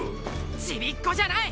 ちびっ子じゃない！